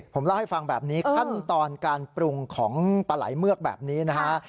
ผมเล่าให้ฟังแบบนี้ขั้นตอนการปรุงของปลาไหลเมือกแบบนี้นะฮะ